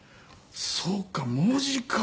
そうか文字かー。